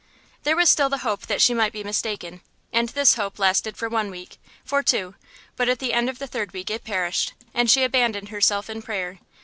There was still the hope that she might be mistaken; and this hope lasted for one week, for two, but at the end of the third week it perished, and she abandoned herself in prayer.